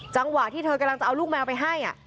จังหวะที่เธอกำลังจะเอาลูกแมวไปให้